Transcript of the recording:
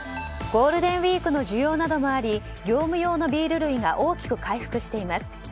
ゴールデンウィークの需要などもあり業務用のビール類が大きく回復しています。